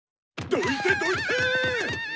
どいてどいてーッ！